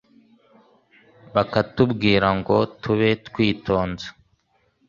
bakatubwira ngo tube twitonze,